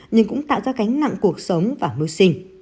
nhưng cũng tạo ra cánh nặng cuộc sống và mưu sinh